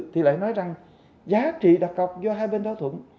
thì lại nói rằng giá trị đặt cọc do hai bên đo thuẫn